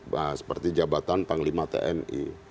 bahas seperti jabatan panglima tni